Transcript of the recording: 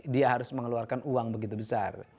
dia harus mengeluarkan uang begitu besar